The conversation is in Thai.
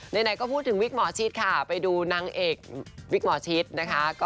ไหนก็พูดถึงวิกหมอชิดค่ะไปดูนางเอกวิกหมอชิดนะคะ